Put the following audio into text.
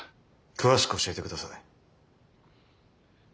詳しく教えてください。